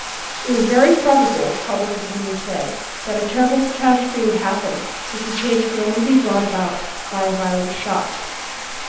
It was very probable, public opinion said, that a terrible catastrophe would happen, as the change could only be brought about by a violent shock.